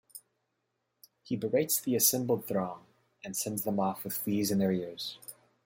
He berates the assembled throng, and sends them off with fleas in their ears.